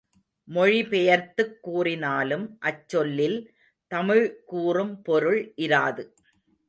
மொழி பெயர்த்துக் கூறினாலும் அச்சொல்லில் தமிழ் கூறும் பொருள் இராது.